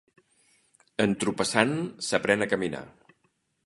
Entropessant s'aprèn a caminar.